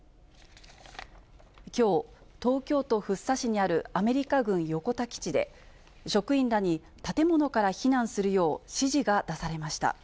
きょう、東京都福生市にあるアメリカ軍横田基地で、職員らに建物から避難するよう、指示が出されました。